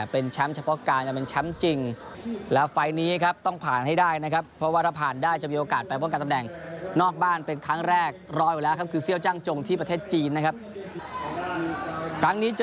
เป็นการชกในบ้านนะครับก่อนหน้านี้